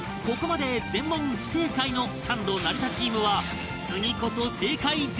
ここまで全問不正解のサンド・成田チームは